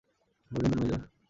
অভিনন্দন, মেজর।